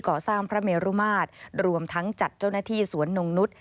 ก่อสร้างพระเมรุมาตรรวมทั้งจัดเจ้าหน้าที่สวนนงนุษย